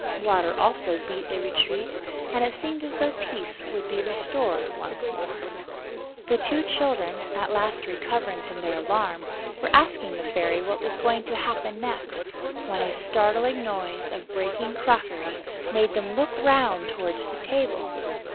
Water also beat a retreat; and it seemed as though peace would be restored once more. The two Children, at last recovering from their alarm, were asking the Fairy what was going to happen next, when a startling noise of breaking crockery made them look round towards the table.